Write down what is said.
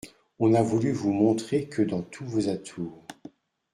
On n’a voulu vous montrer que dans tous vos atours.